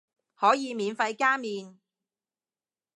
可以免費加麵